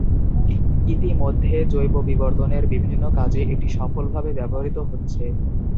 ইতি মধ্যে জৈব বিবর্তনের বিভিন্ন কাজে এটি সফল ভাবে ব্যবহৃত হচ্ছে।